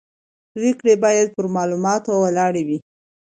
پرېکړې باید پر معلوماتو ولاړې وي